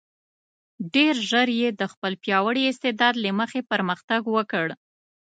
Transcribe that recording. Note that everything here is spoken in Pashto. ډېر ژر یې د خپل پیاوړي استعداد له مخې پرمختګ وکړ.